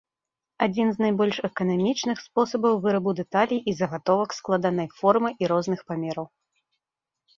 Адзін з найбольш эканамічных спосабаў вырабу дэталей і загатовак складанай формы і розных памераў.